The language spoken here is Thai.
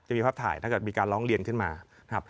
ดูภาพถ่ายถ้ามีการรองเรียนขึ้นมา